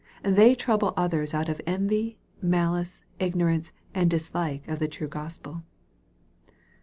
They trouble others out of envy, malice, igno rance, and dislike of the true Gospel.